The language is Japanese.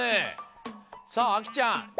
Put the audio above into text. さああきちゃん。